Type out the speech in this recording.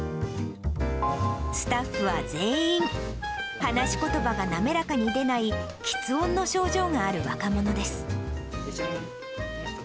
スタッフは全員、話しことばが滑らかに出ない、きつ音の症状がある若者です。